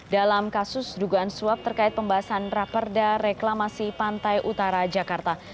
dalam kasus dugaan suap terkait pembahasan raperda reklamasi pantai utara jakarta